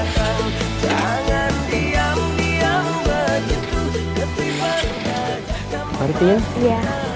masih ada yang mau beri duit